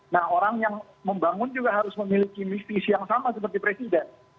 nah orang yang membangun juga harus memiliki mistisi yang sama seperti presiden